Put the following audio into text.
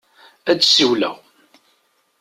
Ad d-siwleɣ.